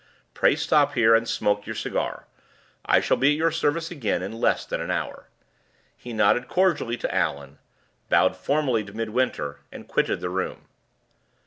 Pray stop here, and smoke your cigar. I shall be at your service again in less than an hour." He nodded cordially to Allan, bowed formally to Midwinter, and quitted the room.